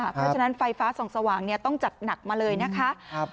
เพราะฉะนั้นไฟฟ้าส่องสว่างต้องจัดหนักมาเลยนะคะ